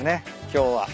今日は。